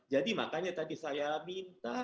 jadi makanya tadi saya minta